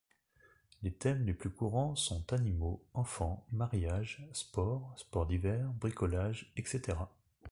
Les thèmes les plus courants sont animaux, enfants, mariages, sports, sports d'hiver, bricolage, etc.